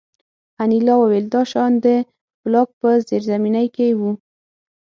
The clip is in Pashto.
انیلا وویل دا شیان د بلاک په زیرزمینۍ کې وو